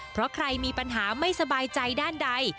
เพราะใครมีปัญหาไม่สบายใจด้านใด